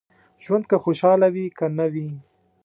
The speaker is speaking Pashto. ژوند که خوشاله وي که نه وي.